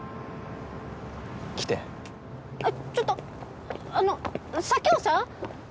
来てちょっとあの佐京さん？